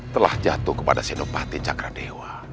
telah jatuh kepada senopati cakra dewa